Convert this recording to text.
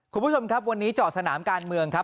คุณผู้ชมครับวันนี้เจาะสนามการเมืองครับ